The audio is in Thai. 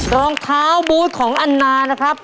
รองเท้าบูธของอันนานะครับ